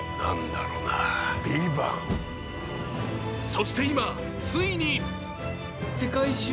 そして今、ついに！